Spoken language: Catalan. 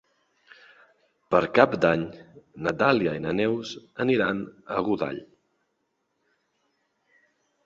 Per Cap d'Any na Dàlia i na Neus aniran a Godall.